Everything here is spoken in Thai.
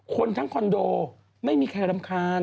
คนทั้งคอนโดไม่มีใครรำคาญ